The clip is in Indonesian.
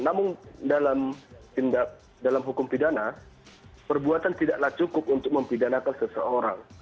namun dalam hukum pidana perbuatan tidaklah cukup untuk mempidanakan seseorang